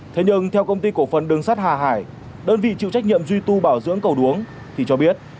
thế nhưng theo công ty cổ phần đường sắt hà hải đơn vị chịu trách nhiệm duy tu bảo dưỡng cầu đuống thì cho biết